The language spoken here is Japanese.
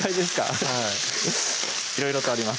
はいいろいろとあります